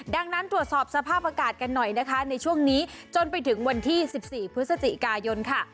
ดังนั้นตรวจสอบสภาพอากาศกันหน่อยนะคะในช่วงนี้จนไปถึงวันที่๑๔พฤศจิกายนค่ะ